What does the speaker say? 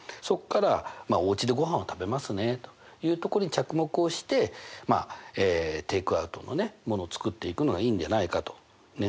そこからおうちでごはんを食べますねというとこに着目をしてテイクアウトのものを作っていくのがいいんじゃないかと。